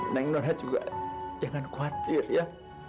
neng nona juga jangan khawatir ya